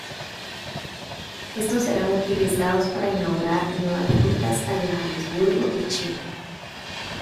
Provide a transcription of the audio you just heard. Estos serán utilizados para inaugurar nuevas rutas a Johannesburgo y China.